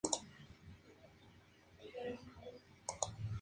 Hasta los momentos, la serie Alice, cuenta con quince episodios transmitidos.